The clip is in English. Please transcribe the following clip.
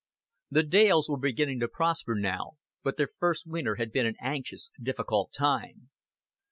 XIII The Dales were beginning to prosper now, but their first winter had been an anxious, difficult time.